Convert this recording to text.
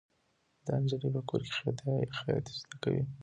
دا نجلۍ په کور کې خیاطي زده کوي.